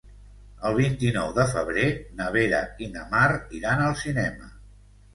El vint-i-nou de febrer na Vera i na Mar iran al cinema.